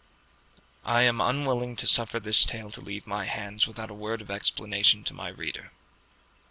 I am unwilling to suffer this tale to leave my hands without a word of explanation to my reader.